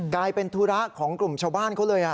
กลายเป็นธุระของกลุ่มชาวบ้านเขาเลย